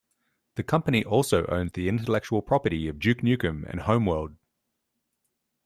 The company also owns the intellectual property of "Duke Nukem" and "Homeworld".